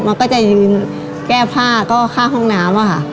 มันก็จะยืนแก้ผ้าก็ข้างห้องน้ำอะค่ะ